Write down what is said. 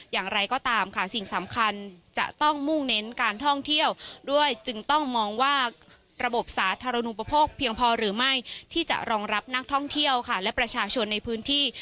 อย่างไรก็ตามค่ะสิ่งสำคัญจะต้องมุ่งเน้นการท่องเที่ยวด้วยจึงต้องมองว่าระบบสาธารณูปโภคเพียงพอหรือไม่ที่จะรองรับนักท่องเที่ยวค่ะและประชาชนในพื้นที่